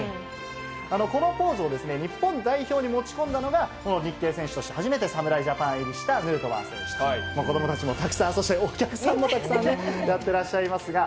このポーズを日本代表に持ち込んだのが、日系選手として初めて侍ジャパン入りしたヌートバー選手と、子どもたちもたくさん、そしてお客さんもたくさんね、やってらっしゃいますが。